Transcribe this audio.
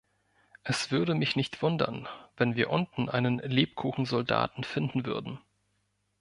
Es würde mich nicht wundern, wenn wir unten einen Lebkuchensoldaten finden würden.